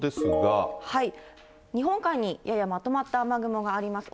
日本海にややまとまった雨雲があります。